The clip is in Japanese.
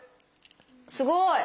すごい！